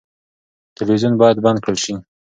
تلویزیون باید بند کړل شي.